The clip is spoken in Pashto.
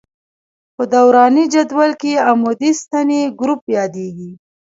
په دوراني جدول کې عمودي ستنې ګروپ یادیږي.